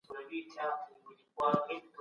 په شريعت باندي د فيصلې څخه منکر کافر دی